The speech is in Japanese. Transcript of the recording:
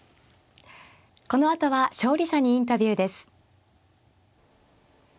このあとは勝利者にインタビューです。